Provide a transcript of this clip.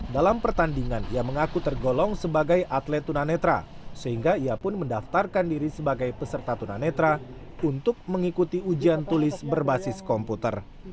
dalam pertandingan ia mengaku tergolong sebagai atlet tunanetra sehingga ia pun mendaftarkan diri sebagai peserta tunanetra untuk mengikuti ujian tulis berbasis komputer